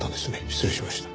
失礼しました。